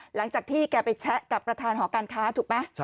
หลังจากที่แกไปแชะกับประธานหอการค้าถูกไหม